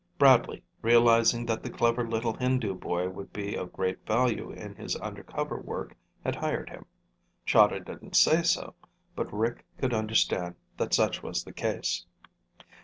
Bradley, realizing that the clever little Hindu boy would be of great value in his undercover work, had hired him. Chahda didn't say so, but Rick could understand that such was the case.